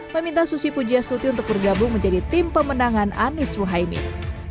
meminta susi pujiastuti untuk bergabung menjadi tim pemenangan anies muhaimin